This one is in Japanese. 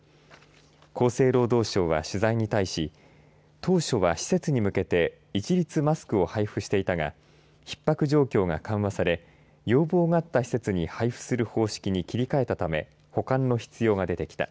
厚生労働省は取材に対し当初は施設に向けて一律マスクを配布していたがひっ迫状況は緩和され要望があった施設に配布する方式に切り替えたため保管の必要が出てきた。